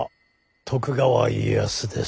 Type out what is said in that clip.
徳川家康です。